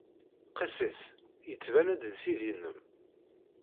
Qiss-it. Yettban-d d tiddi-nnem.